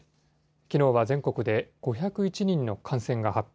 きのうは全国で５０１人の感染が発表。